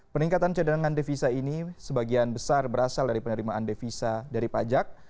peningkatan cadangan devisa ini sebagian besar berasal dari penerimaan devisa dari pajak